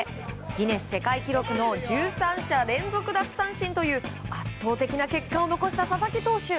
ギネス世界記録の１３者連続奪三振という圧倒的な結果を残した佐々木投手。